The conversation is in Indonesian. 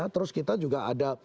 terus kita juga ada